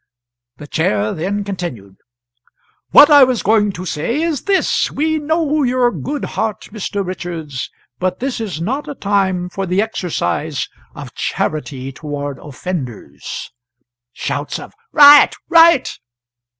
The Chair then continued: "What I was going to say is this: We know your good heart, Mr. Richards, but this is not a time for the exercise of charity toward offenders. [Shouts of "Right! right!"